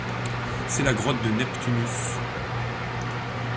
C'est la grotte de Neptunus.